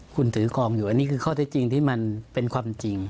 คุณถือคลองอยู่อันนี้คือข้อเท็จจริงที่มันเป็นความจริง